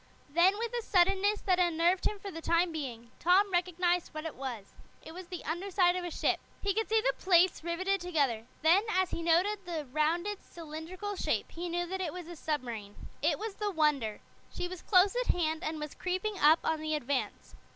Then, with a suddenness that unnerved him for the time being, Tom recognized what it was; it was the underside of a ship. He could see the plates riveted together, and then, as he noted the rounded, cylindrical shape, he knew that it was a submarine. It was the Wonder. She was close at hand and was creeping up on the Advance.